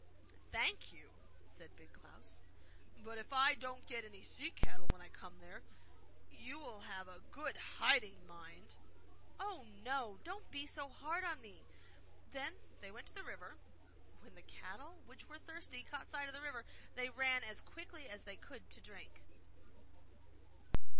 'Thank you,' said Big Klaus; 'but if I don't get any sea cattle when I come there, you will have a good hiding, mind!' 'Oh, no! Don't be so hard on me!' Then they went to the river. When the cattle, which were thirsty, caught sight of the water, they ran as quickly as they could to drink.